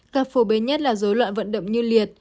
các phổ biến nhất là dối loạn vận động như liệt